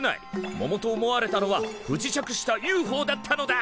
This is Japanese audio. ももと思われたのは不時着したＵＦＯだったのだ！